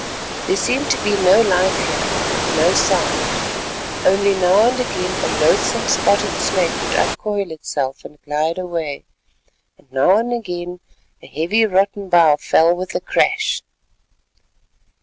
There seemed to be no life here and no sound—only now and again a loathsome spotted snake would uncoil itself and glide away, and now and again a heavy rotten bough fell with a crash.